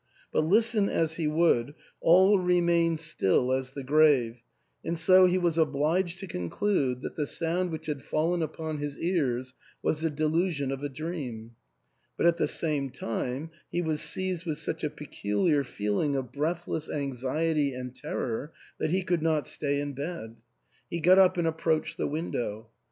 But listen as he would, all remained still as the grave, and so he was obliged to conclude that the sound which had fallen upon his ears was the delusion of a dream. But at the same time he was seized with such a peculiar feeling of breathless anxiety and terror that he could not stay in bed. He got up and approached the window.